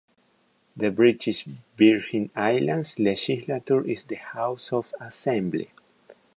The British Virgin Islands legislature is the House of Assembly.